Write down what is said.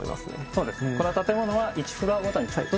そうです